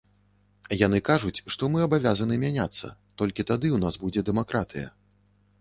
Яны кажуць, што мы абавязаны мяняцца, толькі тады ў нас будзе дэмакратыя.